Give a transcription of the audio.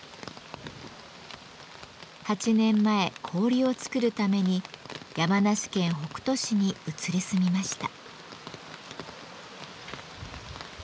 ８年前氷を作るために山梨県北杜市に移り住みました。